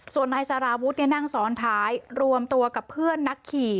ส่วนนายสารวุฒินั่งซ้อนท้ายรวมตัวกับเพื่อนนักขี่